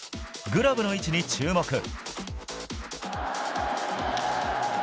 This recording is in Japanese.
グラブの位置に注目。